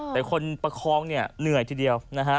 แต่คนประคองเหนื่อยทีเดียว